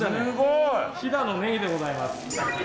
飛騨のネギでございます。